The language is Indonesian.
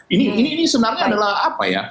ini sebenarnya adalah apa ya